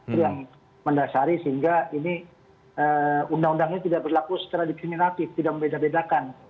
itu yang mendasari sehingga undang undang ini tidak berlaku secara diskriminatif tidak membeda bedakan